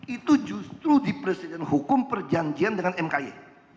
itu justru di presiden hukum perjanjian dengan mki